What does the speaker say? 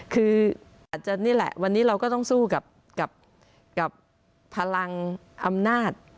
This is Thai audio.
คืออาจจะนี่แหละวันนี้เราก็ต้องสู้กับพลังอำนาจ